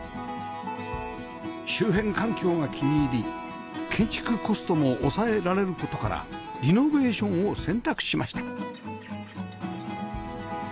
周辺環境が気に入り建築コストも抑えられる事からリノベーションを選択しました